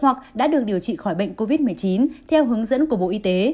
hoặc đã được điều trị khỏi bệnh covid một mươi chín theo hướng dẫn của bộ y tế